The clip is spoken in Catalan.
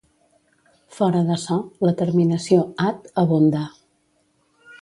Fora d’açò, la terminació -at- abunda.